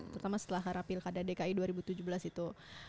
pertama setelah pilkada dki dua ribu tujuh belas itu